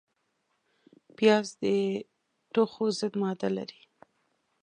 پیاز د توښو ضد ماده لري